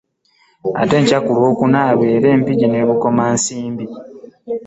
Ate enkya ku Lwokuna abeere e Mpigi ne Bukomansimbi.